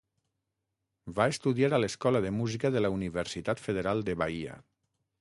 Va estudiar a l'escola de música de la Universitat Federal de Bahia.